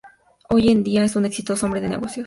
Hoy día es un exitoso hombre de negocios.